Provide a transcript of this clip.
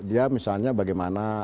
dia misalnya bagaimana